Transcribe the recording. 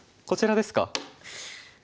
こちらですか。